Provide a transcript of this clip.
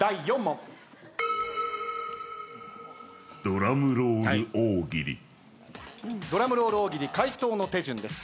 ドラムロール大喜利回答の手順です。